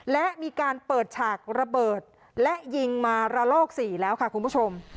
และมีการเปิดฉากระเบิดและยิงมาระลอก๔แล้วค่ะคุณผู้ชม